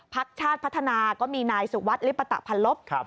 ภาคชาติพัฒนาก็มีนายศุกรวรรษลิปตปันลบ